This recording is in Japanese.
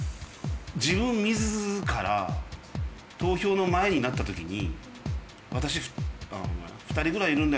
自分自ら投票の前になった時に。